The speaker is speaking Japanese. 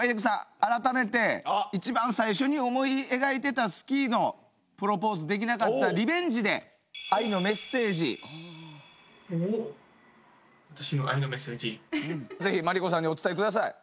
改めて一番最初に思い描いてたスキーのプロポーズできなかったリベンジで是非麻利子さんにお伝えください。